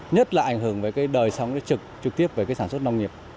nhất là ảnh hưởng về cái đời sống trực trực tiếp về cái sản xuất nông nghiệp